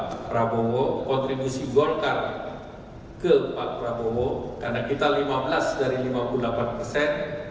pak prabowo kontribusi golkar ke pak prabowo karena kita lima belas dari lima puluh delapan persen